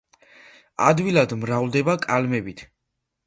ადვილად მრავლდება კალმებით.